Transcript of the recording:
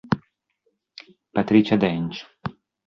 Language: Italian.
Patricia Dench